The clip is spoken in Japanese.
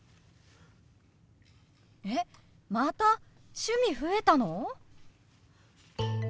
えっまた趣味増えたの！？